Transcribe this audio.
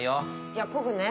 じゃあこぐね。